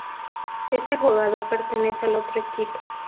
Este jugador pertenece al otro equipo.